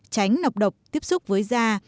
tránh nọc độc tiếp xúc với da